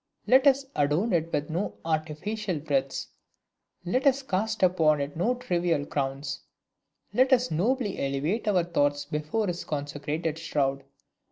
Let us adorn it with no artificial wreaths! Let us cast upon it no trivial crowns! Let us nobly elevate our thoughts before this consecrated shroud!